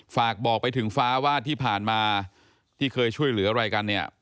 ฝากบอกไปถึงฟ้าว่าที่ผ่านมาที่เคยช่วยเหลืออะไรกันเนี่ย